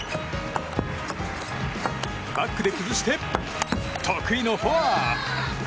バックで崩して得意のフォア！